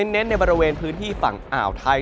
เน้นในบริเวณพื้นที่ฝั่งอ่าวไทย